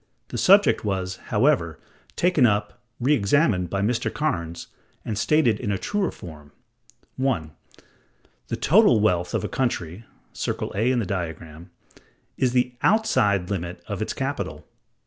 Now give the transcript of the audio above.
The subject was, however, taken up, re examined by Mr. Cairnes,(164) and stated in a truer form. (1.) The total wealth of a country (circle A in the diagram) is the outside limit of its capital.